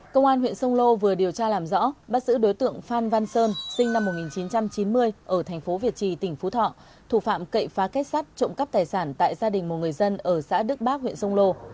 công an huyện sông lô vừa điều tra làm rõ bắt giữ đối tượng phan văn sơn sinh năm một nghìn chín trăm chín mươi ở thành phố việt trì tỉnh phú thọ thủ phạm cậy phá kết sắt trộm cắp tài sản tại gia đình một người dân ở xã đức bác huyện sông lô